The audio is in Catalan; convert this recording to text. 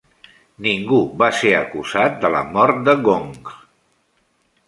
Ningú va ser acusat de la mort de Gong.